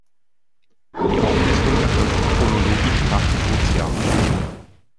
Die Auflistung erfolgt chronologisch nach Geburtsjahr.